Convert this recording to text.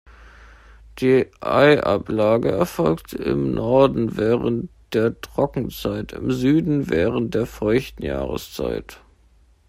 Die Eiablage erfolgt im Norden während der Trockenzeit, im Süden während der feuchten Jahreszeit.